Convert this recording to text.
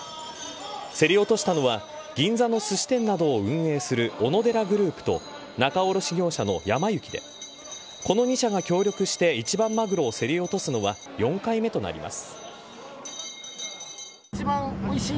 競り落としたのは銀座のすし店などを運営するオノデラグループと仲卸業者のやま幸でこの２社が協力して一番マグロを競り落とすのは４回目となります。